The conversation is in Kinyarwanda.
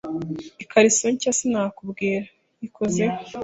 ikariso nshya, sinakubwira.yikozeho